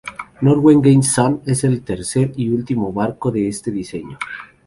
Norwegian Sun es el tercer y último barco de este diseño.